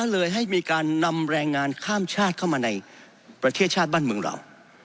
เลยให้มีการนำแรงงานข้ามชาติเข้ามาในประเทศชาติบ้านเมืองเรา